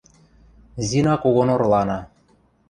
Зина когон орлана.